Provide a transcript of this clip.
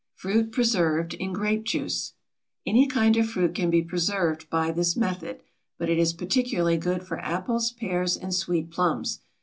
FRUIT PRESERVED IN GRAPE JUICE. Any kind of fruit can be preserved by this method, but it is particularly good for apples, pears, and sweet plums.